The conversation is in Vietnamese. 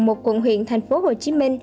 một quận huyện tp hcm